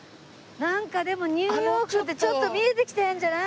なんかでも「ニューヨーク」ってちょっと見えてきてるんじゃない？